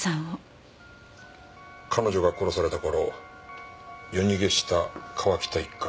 彼女が殺された頃夜逃げした川喜多一家。